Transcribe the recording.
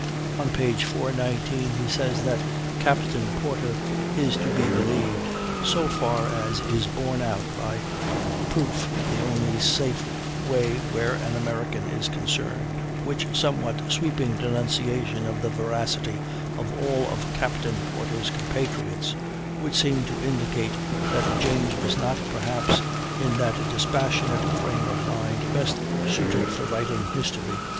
On page 419 he says that Captain Porter is to be believed, "so far as is borne out by proof (the only safe way where an American is concerned)," which somewhat sweeping denunciation of the veracity of all of Captain Porter's compatriots would seem to indicate that James was not, perhaps, in that dispassionate frame of mind best suited for writing history.